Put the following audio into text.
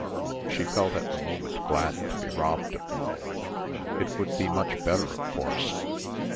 She felt at the moment glad to be robbed of them. It would be much better, of course.